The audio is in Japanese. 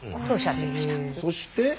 そして。